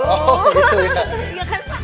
oh gitu ya